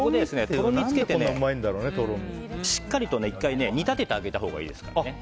とろみをつけてしっかり１回煮立ててあげたほうがいいですからね。